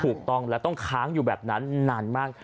ถูกต้องแล้วต้องค้างอยู่แบบนั้นนานมาก